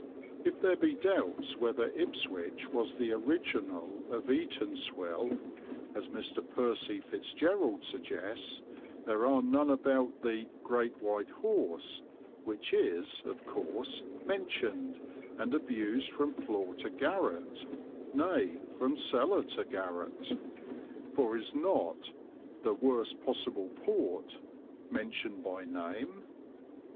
If there be doubts whether Ipswich was the original of Eatanswill, as Mr. Percy Fitzgerald suggests, there are none about the "Great White Horse," which is, of course, mentioned, and abused from floor to garret, nay, from cellar to garret: for is not "the worst possible port" mentioned by name?